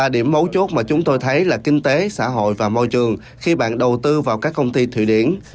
điểm mấu chốt mà chúng tôi thấy là kinh tế xã hội và môi trường khi bạn đầu tư vào các công ty thụy điển